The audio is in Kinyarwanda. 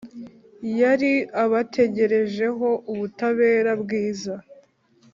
Yari abategerejeho ubutabera bwiza,